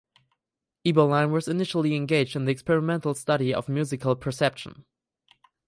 Eberlein was initially engaged in the experimental study of musical perception.